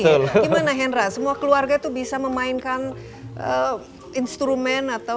gimana hendra semua keluarga itu bisa memainkan instrumen atau